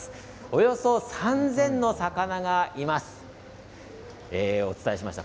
およそ３０００の魚がいます。